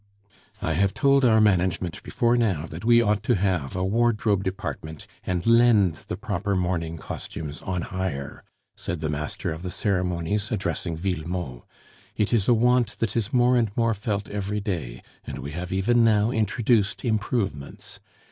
"I have told our management before now that we ought to have a wardrobe department and lend the proper mourning costumes on hire," said the master of the ceremonies, addressing Villemot; "it is a want that is more and more felt every day, and we have even now introduced improvements.